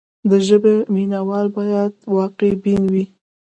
د ژبې مینه وال باید واقع بین وي.